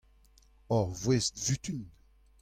ur voest-vutun.